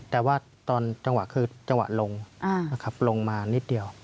แต่ว่าตอนจังหวะคือจังหวะลงนะครับลงมานิดเดียว